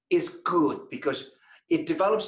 tapi mulai kecil adalah bagus